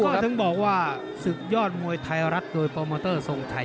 ก็ถึงบอกว่าศึกยอดมวยไทยรักโดยปอล์มอเตอร์ทรงไทย